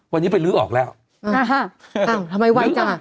วันนี้ไปลื้อออกแล้วอ้าวทำไมไวจัง